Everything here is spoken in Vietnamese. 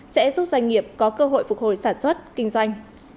sẽ giúp doanh nghiệp có cơ hội phục hồi sản xuất kinh doanh